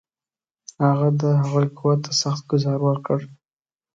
هغه د هغوی قوت ته سخت ګوزار ورکړ.